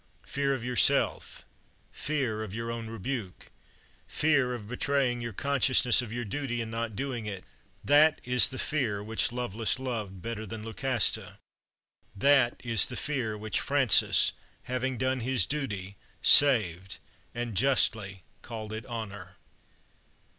Fear of yourself, fear of your own rebuke, fear of betraying your consciousness of your duty and not doing it that is the fear which Lovelace loved better than Lucasta; that is the fear which Francis, having done his duty, saved, and justly called it honor.